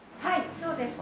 そうです。